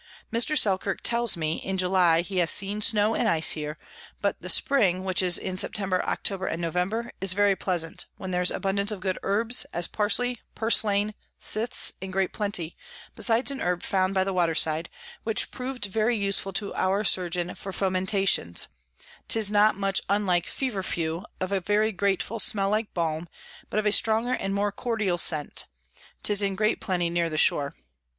Mr. Selkirk tells me, in July he has seen Snow and Ice here; but the Spring, which is in September, October, and November, is very pleasant, when there's abundance of good Herbs, as Parsly, Purslain, Sithes in great plenty, besides an Herb found by the water side, which prov'd very useful to our Surgeons for Fomentations; 'tis not much unlike Feverfew, of a very grateful Smell like Balm, but of a stronger and more cordial Scent: 'tis in great plenty near the Shore.